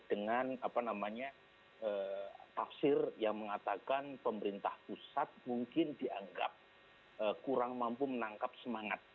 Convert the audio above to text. dengan apa namanya tafsir yang mengatakan pemerintah pusat mungkin dianggap kurang mampu menangkap semangat